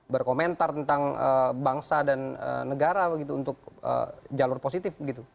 berkomentar tentang bangsa dan negara begitu untuk jalur positif gitu